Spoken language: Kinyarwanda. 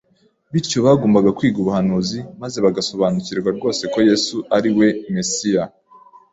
Bityo bagombaga kwiga ubuhanuzi, maze bagasobanukirwa rwose ko Yesu ari we Mesiya;